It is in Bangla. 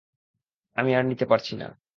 আমি আর নিতে পারছি না।